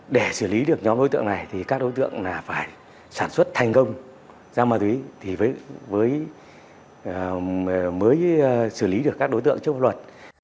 để xử lý được nhóm đối tượng này thì các đối tượng phải sản xuất thành công ra ma túy mới xử lý được các đối tượng trước luật